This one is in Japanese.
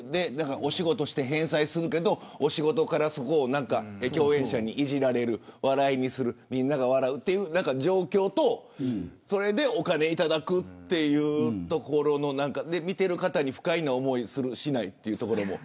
仕事をして返済するけど共演者にいじられる笑いにするみんなが笑う、という状況とそれでお金を頂くというところ見ている方が不快な思いをする、しないというのも。